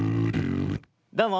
どうも！